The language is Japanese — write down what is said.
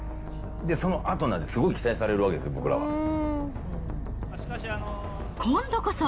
そのあとなんですよ、すごい期待されるわけですよ、僕らは。今度こそ。